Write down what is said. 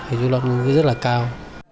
thì chức năng nó sẽ rất là cao